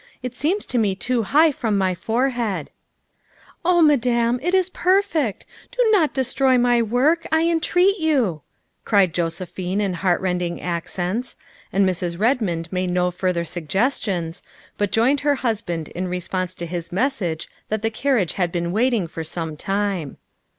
It seems to me too high from my forehead. '''' Oh Madame, it is perfect. Do not destroy my work, I entreat you," cried Josephine in heartrending accents, and Mrs. Redmond made no further suggestions, but 148 THE WIFE OF joined her husband in response to his message that the carriage had been waiting for some time.